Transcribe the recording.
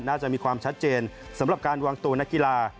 น่าจะมีความชัดเจนสำหรับการวางตัวนักกีฬา